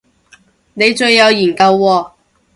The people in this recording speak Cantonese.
你最有研究喎